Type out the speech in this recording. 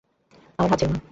আমার হাত ছেড়ো না।